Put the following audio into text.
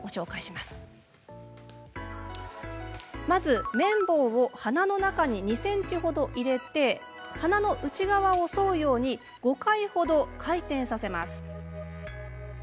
まず、綿棒を鼻の中に２ｃｍほど入れ鼻の内側を沿うように５回ほど回転させます。